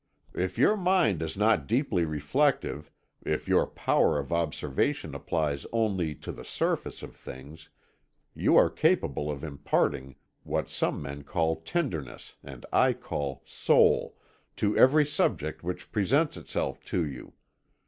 "If your mind is not deeply reflective, if your power of observation applies only to the surface of things, you are capable of imparting what some call tenderness and I call soul, to every subject which presents itself to you.